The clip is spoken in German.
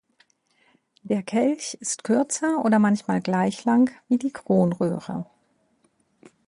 Der Kelch ist kürzer oder manchmal gleich lang wie die Kronröhre.